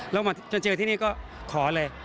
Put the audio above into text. แล้วมาจนเจอที่นี่ก็ขอเลย